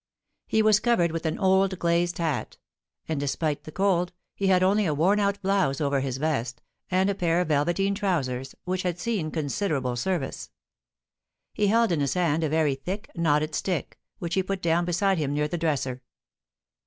He was covered with an old glazed hat; and, despite the cold, he had only a worn out blouse over his vest, and a pair of velveteen trousers, which had seen considerable service. He held in his hand a very thick, knotted stick, which he put down beside him near the dresser.